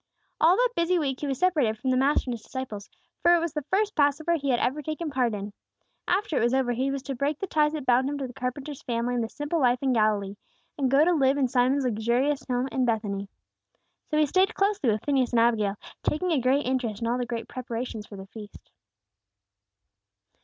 All that busy week he was separated from the Master and His disciples; for it was the first Passover he had ever taken part in. After it was over, he was to break the ties that bound him to the carpenter's family and the simple life in Galilee, and go to live in Simon's luxurious home in Bethany. So he stayed closely with Phineas and Abigail, taking a great interest in all the great preparations for the feast.